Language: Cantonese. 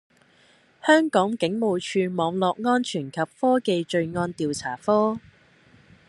香港警務處網絡安全及科技罪案調查科